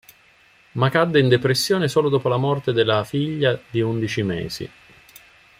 Ma cadde in depressione solo dopo la morte della figlia di undici mesi.